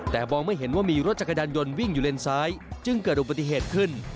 แต่มองไม่เห็นว่ามีรถจักรยานยนต์วิ่งอยู่เลนซ้ายจึงเกิดอุบัติเหตุขึ้น